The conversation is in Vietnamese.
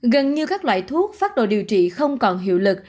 gần như các loại thuốc phát đồ điều trị không còn hiệu lực